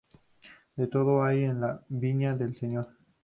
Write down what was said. De todo hay en la viña del Señor